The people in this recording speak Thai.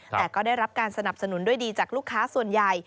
แต่ก็ได้รับการสนับสนุนด้วยดีจากลูกค้าส่วนใหญ่